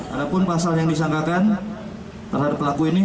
ada pun pasal yang disangkakan terhadap pelaku ini